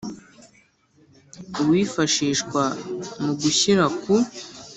Uwifashishwa mu gushyira ku